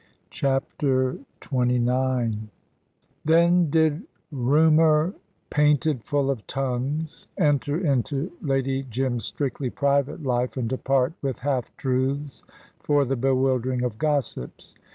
CHAPTER XXIX Then did "Rumour, painted full of tongues," enter into Lady Jim's strictly private life and depart with half truths for the bewildering of gossips.